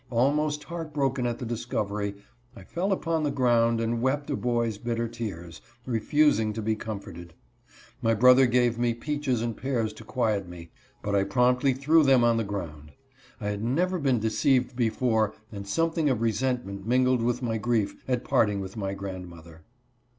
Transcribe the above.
Almost heart broken at the discovery, I fell upon the ground and wept a boy's bitter tears, refusing to be com forted. My brother gave me peaches and pears to quiet me, but I promptly threw them on the ground. I had never been deceived before and something of resent ment mingled with my grief at parting with my grand mother.